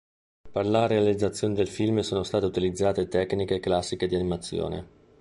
Per la realizzazione del film sono state utilizzate tecniche classiche di animazione.